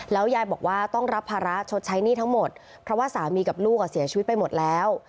ยายบอกว่าต้องรับภาระชดใช้หนี้ทั้งหมดเพราะว่าสามีกับลูกเสียชีวิตไปหมดแล้ว